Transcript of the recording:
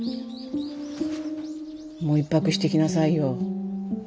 もう一泊していきなさいよ。